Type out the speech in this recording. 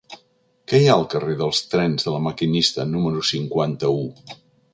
Què hi ha al carrer dels Trens de La Maquinista número cinquanta-u?